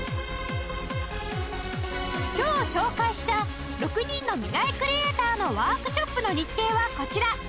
今日紹介した６人のミライクリエイターのワークショップの日程はこちら